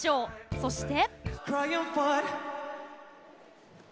そして。